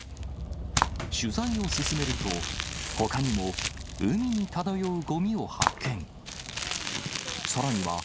取材を進めると、ほかにも海に漂うごみを発見。